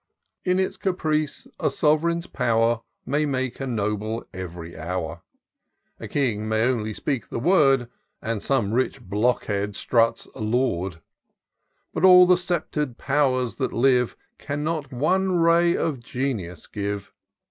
" In its caprice a sovereign's pow'r May make a noble ev'ry hour : A king may only speak the word. And some rich blockhead struts a lord ; But all the sceptred powers that live Cannot one ray of genius give.